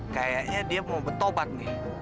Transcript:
kayaknya dia mau bertobat nih